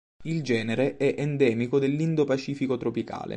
Il genere è endemico dell'Indo-Pacifico tropicale.